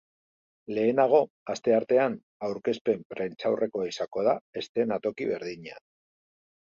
Lehenago, asteartean, aurkezpen prentsaurrekoa izango da eszenatoki berdinean.